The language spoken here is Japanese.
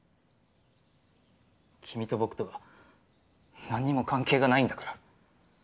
君と僕とは何にも関係がないんだから。